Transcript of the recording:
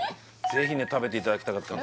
ぜひね食べていただきたかった